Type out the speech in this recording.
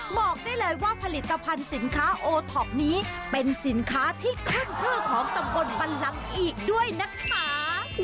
บอกได้เลยว่าผลิตภัณฑ์สินค้าโอท็อปนี้เป็นสินค้าที่ขึ้นชื่อของตำบลบันลังอีกด้วยนะคะ